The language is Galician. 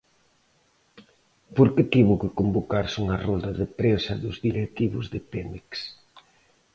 Por que tivo que convocarse unha rolda de prensa dos directivos de Pemex?